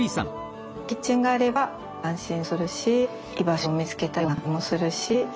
キッチンがあれば安心するし居場所を見つけたような感じもするし。